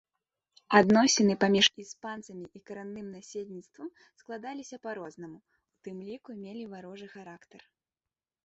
Адносіны паміж іспанцамі і карэнным насельніцтвам складваліся па-рознаму, у тым ліку мелі варожы характар.